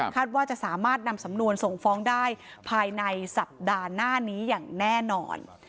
ว่าจะสามารถนำสำนวนส่งฟ้องได้ภายในสัปดาห์หน้านี้อย่างแน่นอน